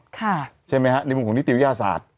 ใช่ไหมฮะในมุมของนิติวิทยาศาสตร์